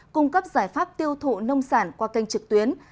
cung cấp giải pháp tiêu thụ nông sản qua kênh trực tuyến